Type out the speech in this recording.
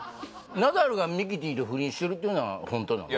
ナダルがミキティと不倫してるっていうのはホントなの？